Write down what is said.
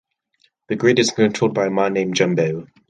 The Grid is controlled by a man named Jumbo.